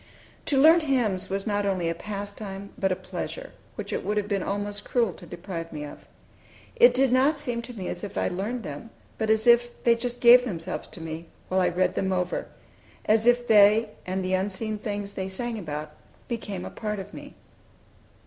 To learn hymns was not only a pastime, but a pleasure which it would have been almost cruel to deprive me of. It did not seem to me as if I learned them, but as if they just gave themselves to me while I read them over; as if they, and the unseen things they sang about, became a part of me.